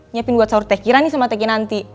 nyiapin buat sahur teh kirani sama teki nanti